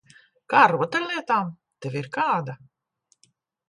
Kā ar rotaļlietām? Tev ir kāda?